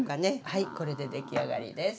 はいこれで出来上がりです。